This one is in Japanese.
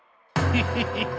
フフフフ。